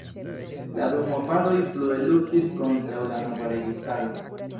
La du movadoj plue luktis kontraŭ la nova registaro.